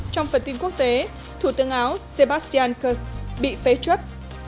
trong phần tin quốc tế thủ tướng áo sebastian kurz bị phê chuất